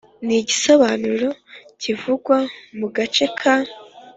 n igisobanuro kivugwa mu gace ka